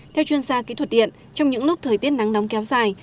theo chuyên gia kỹ thuật điện trong những lúc thời tiết nắng nóng kéo dài